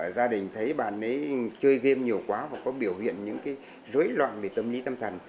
gia đình thấy bà ấy chơi game nhiều quá và có biểu hiện những cái rối loạn về tâm lý tâm thần